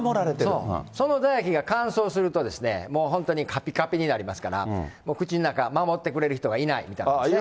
そう、その唾液が乾燥すると、もう本当に、かぴかぴになりますから、口の中、守ってくれる人がいないみたいな感じですね。